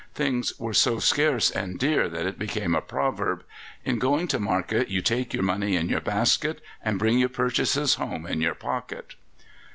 Things were so scarce and dear that it became a proverb, "In going to market, you take your money in your basket and bring your purchases home in your pocket."